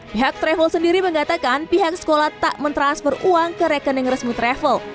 pihak travel sendiri mengatakan pihak sekolah tak mentransfer uang ke rekening resmi travel